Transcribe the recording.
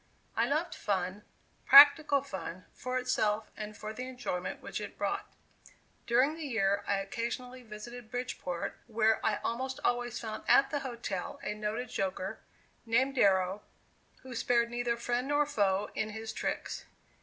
I loved fun, practical fun, for itself and for the enjoyment which it brought. During the year, I occasionally visited Bridgeport where I almost always found at the hotel a noted joker, named Darrow, who spared neither friend nor foe in his tricks.